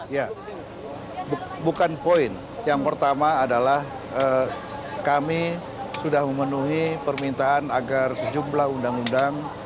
ya bukan poin yang pertama adalah kami sudah memenuhi permintaan agar sejumlah undang undang